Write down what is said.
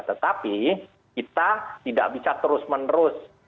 tetapi kita tidak bisa terus menerus